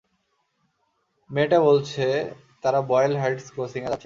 মেয়েটা বলছে তারা বয়েল হাইটস ক্রসিংয়ে যাচ্ছে।